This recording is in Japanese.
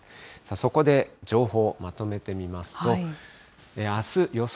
そこで、情報、まとめてみますと、あす、予想